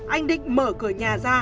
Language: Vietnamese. anh định mở cửa nhà ra